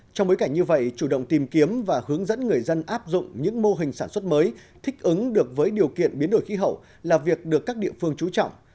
trong bối cảnh như vậy chủ động tìm kiếm và hướng dẫn người dân áp dụng những mô hình sản xuất mới thích ứng được với điều kiện biến đổi khí hậu là việc được các địa phương trú trọng